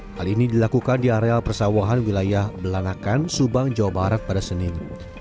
hal ini dilakukan di areal persawahan wilayah belanakan subang jawa barat pada senin